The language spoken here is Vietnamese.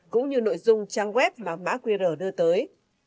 cũng như nội dung trang web mà mã qr đưa tới